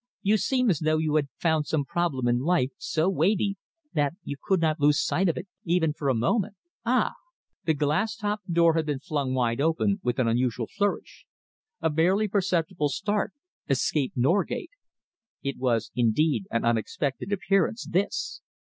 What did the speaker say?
You seem as though you had found some problem in life so weighty that you could not lose sight of it even for a moment. Ah!" The glass topped door had been flung wide open with an unusual flourish. A barely perceptible start escaped Norgate. It was indeed an unexpected appearance, this!